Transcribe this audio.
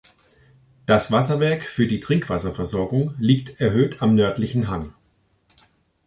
Das Wasserwerk für die Trinkwasserversorgung liegt erhöht am nördlichen Hang.